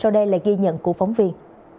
đây là ghi nhận của phóng viên